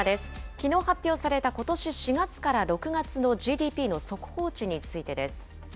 きのう発表された、ことし４月から６月のＧＤＰの速報値についてです。